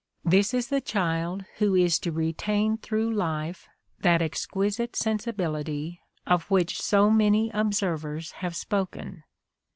'' This is the child who is to retain through life that exquisite sensibility of which so many observers have spoken.